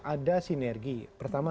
ada sinergi pertama